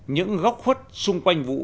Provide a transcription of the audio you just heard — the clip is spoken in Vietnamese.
những góp khuất xung quanh vụ